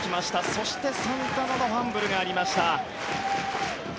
そして、サンタナのファンブルがありました。